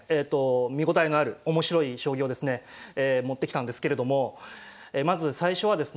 見応えのある面白い将棋をですね持ってきたんですけれどもまず最初はですね